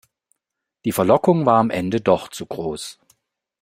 Die Verlockung war am Ende doch zu groß.